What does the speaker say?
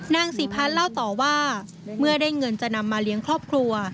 นางศรีพันธ์เล่าต่อว่าเมื่อได้เงินจะนำมาเลี้ยงครอบครัว